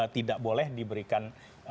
tidak boleh diberikan